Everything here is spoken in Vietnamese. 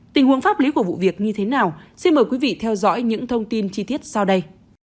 tình huống pháp lý của vụ việc như thế nào xin mời quý vị theo dõi những thông tin chi tiết sau đây